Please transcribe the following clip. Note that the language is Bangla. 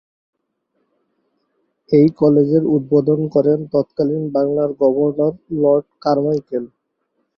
এই কলেজের উদ্বোধন করেন তৎকালীন বাংলার গভর্নর লর্ড কারমাইকেল।